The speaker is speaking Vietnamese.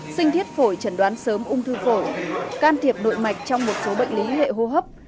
sinh thiết phổi trần đoán sớm ung thư phổi can thiệp nội mạch trong một số bệnh lý hệ hô hấp